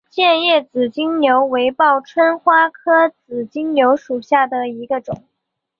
剑叶紫金牛为报春花科紫金牛属下的一个种。